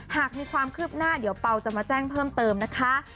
หากมีความคืบหน้าเดี๋ยวเปล่าจะมาแจ้งเพิ่มเติมนะคะ